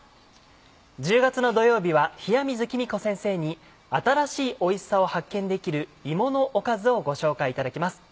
１０月の土曜日は冷水希三子先生に新しいおいしさを発見できる芋のおかずをご紹介いただきます。